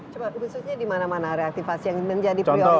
coba khususnya di mana mana reaktivasi yang menjadi prioritas